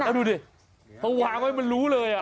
เอ้าดูดิเขาวางไว้มันรู้เลย